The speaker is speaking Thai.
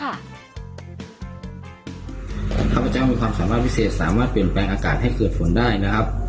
ข้าพเจ้ามีความสามารถพิเศษสามารถเปลี่ยนแปลงอากาศให้เกิดฝนได้นะครับ